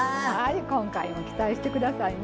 今回も期待してくださいね。